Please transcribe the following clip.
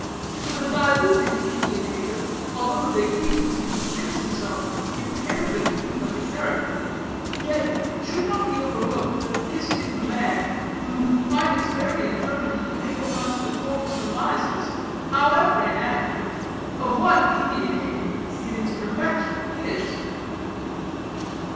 "For the diluted Indian hater, although the vacations he permits himself impair the keeping of the character, yet, it should not be overlooked that this is the man who, by his very infirmity, enables us to form surmises, however inadequate, of what Indian hating in its perfection is."